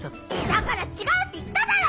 だから違うって言っただろ！